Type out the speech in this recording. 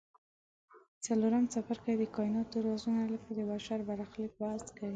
څلورم څپرکی د کایناتو رازونه لکه د بشر برخلیک بحث کوي.